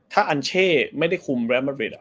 ถ้าอัญเช่ไม่ได้คุมแรมมะเร็ด